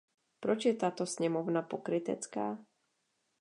Proč je tato sněmovna pokrytecká?